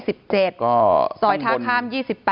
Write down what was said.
ซอยท่าข้าม๒๘